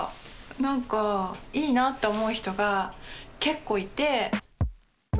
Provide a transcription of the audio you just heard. なんかいいなって思う人が結構いて。